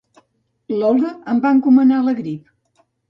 L'Olga em va encomanar la grip